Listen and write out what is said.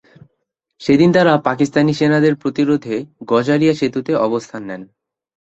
সেদিন তারা পাকিস্তানি সেনাদের প্রতিরোধে গজারিয়া সেতুতে অবস্থান নেন।